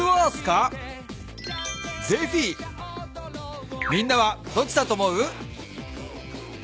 みんなはどっちだと思う？